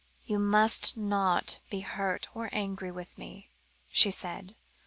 "You must not be hurt or angry with me," she said.